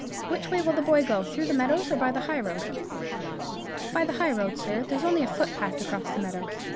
Which way will the boy go; through the meadows, or by the high road?" "By the high road, sir; there's only a footpath across the meadows.